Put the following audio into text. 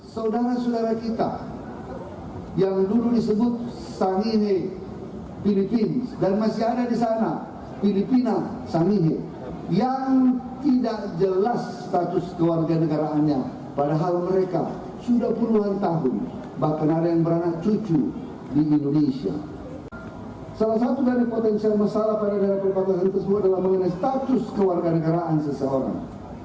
salah satu dari potensial masalah pada daerah perbatasan tersebut adalah mengenai status kewarganegaraan seseorang